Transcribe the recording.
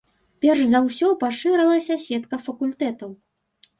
Перш за ўсё, пашыралася сетка факультэтаў.